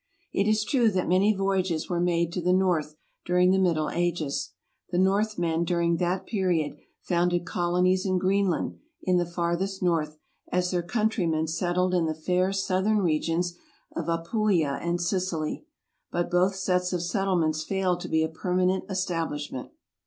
It is true that many voyages were made to the north during the Middle Ages. The Northmen during that period founded colonies in Greenland, in the farthest north, as their country men settled in the fair southern regions of Apulia and Sicily ; but both sets of settlements failed to be of permanent estab lishment.